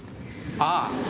ああ。